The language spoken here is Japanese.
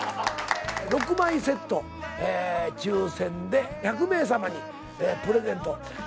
６枚セット抽選で１００名様にプレゼント。